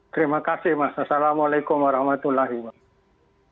terima kasih mas assalamualaikum warahmatullahi wabarakatuh